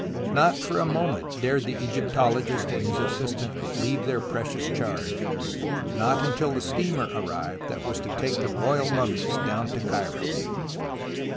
Not for a moment dared the Egyptologist and his assistant leave their precious charge, not until the steamer arrived that was to take the royal mummies down to Cairo.